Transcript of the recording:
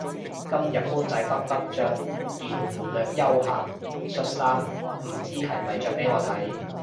今日官仔骨骨着件略休閒恤衫唔知係咪着畀我睇